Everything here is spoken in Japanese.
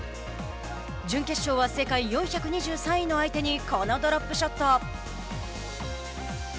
準決勝は世界４２３位の相手にこのドロップショット。